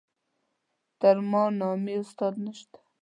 تر ما نامي استاد نشته.